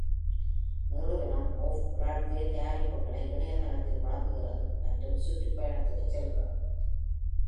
நிறுவனம் ஆஃப்-பிராட்வே தயாரிப்புகளை இணைய தளத்தில் வழங்குகிறது மற்றும் சுற்றுப்பயணத்திற்கு செல்கிறது.